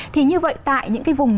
thì như vậy tại những cái vùng